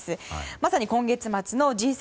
まさに今月末のＧ７・